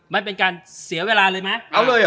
มันเป็นการเสียเวลาเลยมั้ย